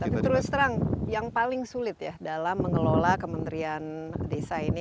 tapi terus terang yang paling sulit ya dalam mengelola kementerian desa ini